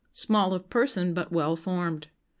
] "Small of person, but well formed.